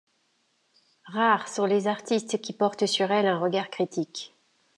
Rares sont les artistes qui portent sur elle un regard critique.